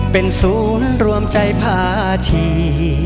เป็นศูนย์รวมใจภาชี